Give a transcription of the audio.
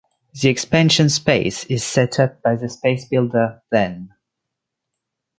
The expansion space is set up by the space builder "then".